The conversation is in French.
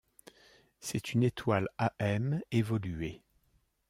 C'est une étoile Am évoluée.